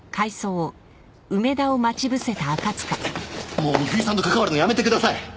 もう美冬さんと関わるのやめてください！